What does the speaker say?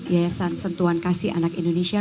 yayasan sentuhan kasih anak indonesia